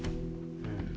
うん。